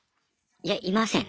いやいません。